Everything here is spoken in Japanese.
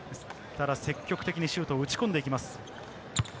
ただ積極的にシュートを打ち込んでいきます。